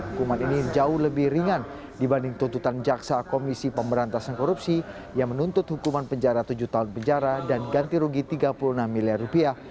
hukuman ini jauh lebih ringan dibanding tuntutan jaksa komisi pemberantasan korupsi yang menuntut hukuman penjara tujuh tahun penjara dan ganti rugi tiga puluh enam miliar rupiah